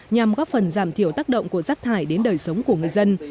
nhằm góp phần giảm thiểu tác động của rác thải đến đời sống của người dân